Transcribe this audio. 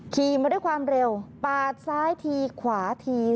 ขี่มาด้วยความเร็วปาดซ้ายทีขวาที